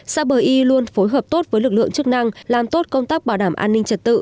xã bờ y luôn phối hợp tốt với lực lượng chức năng làm tốt công tác bảo đảm an ninh trật tự